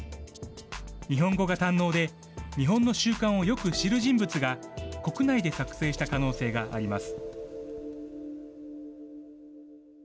日本語が堪能で、日本の習慣をよく知る人物が国内で作成した可能性があります。